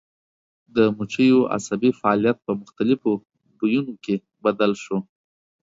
د مچیو عصبي فعالیت په مختلفو بویونو کې بدل شو.